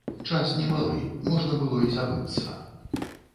Час немалы, можна было і забыцца.